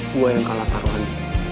gue yang kalah taruhan